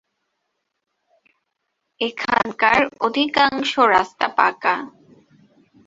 এখানকার অধিকাংশ রাস্তা পাঁকা।